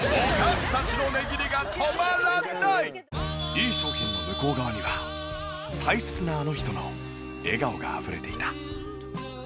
いい商品の向こう側には大切なあの人の笑顔があふれていた。